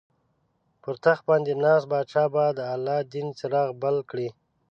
پر تخت باندې ناست پاچا به د الله دین څراغ بل کړي.